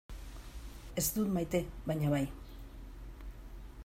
Ez dut maite baina bai.